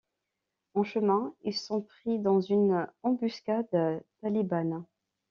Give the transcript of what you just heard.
En chemin, ils sont pris dans une embuscade talibane.